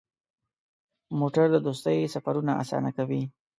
موټر د دوستۍ سفرونه اسانه کوي.